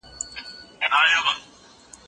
که ژبه پاکه وي نو دښمن نه پیدا کیږي.